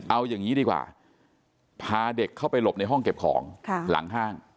เอาอย่างนี้ดีกว่าพาเด็กเข้าไปหลบในห้องเก็บของหลังห้าง